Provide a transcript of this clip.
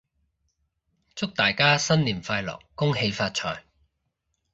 祝大家新年快樂！恭喜發財！